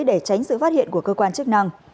để tránh sự phát hiện của cơ quan chức năng